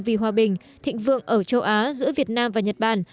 vì hòa bình thịnh vượng ở châu á giữa việt nam và nhật bản